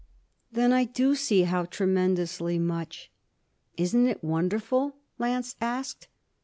'Then I do see how tremendously much.' 'Isn't it wonderful?' Lance asked.